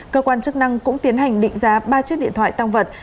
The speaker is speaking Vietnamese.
cơ quan chức năng cũng tiến hành định giá ba chiếc điện thoại tăng vật